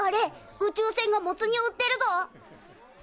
宇宙船がモツ煮を売ってるぞ！